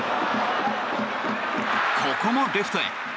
ここもレフトへ。